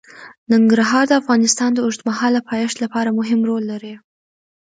ننګرهار د افغانستان د اوږدمهاله پایښت لپاره مهم رول لري.